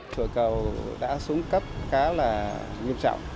chùa cầu đã xuống cấp khá là nghiêm trọng